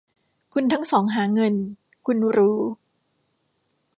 คุณทั้งสองหาเงิน คุณรู้